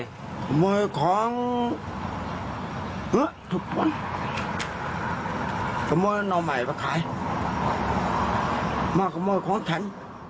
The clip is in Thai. ขโมยของขโมยน้อมัยไปขายมาขโมยของฉัน